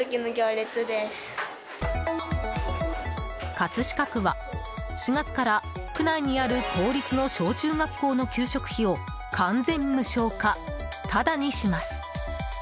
葛飾区は、４月から区内にある公立の小中学校の給食費を完全無償化、タダにします。